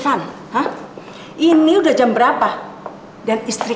pada besarnya obama enggak mau beraris sama eva tadi